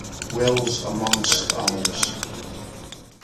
Wills, amongst others.